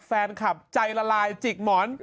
แฟนคลับใจละลายจิกหมอน